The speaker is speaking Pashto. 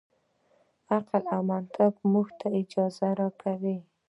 عقل او منطق موږ ته اجازه راکوي.